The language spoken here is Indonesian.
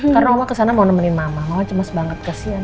karena oma kesana mau nemenin mama mama cemas banget kasihan